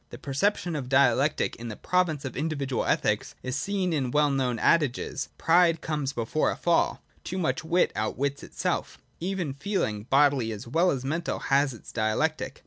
The perception of Dia \ lactic in the province of individual Ethics is seen in the | well known adages, Pride comes before a fall : Too much i wit outwits itself. Even feeling, bodily as well as mental, has its Dialectic.